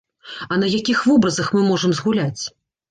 А на якіх вобразах мы можам згуляць?